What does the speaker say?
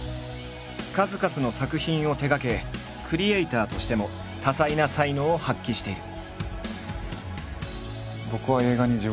数々の作品を手がけクリエーターとしても多彩な才能を発揮している。